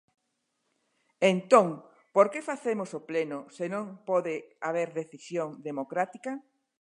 Entón por que facemos o pleno se non pode haber decisión democrática?